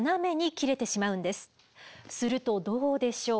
するとどうでしょう？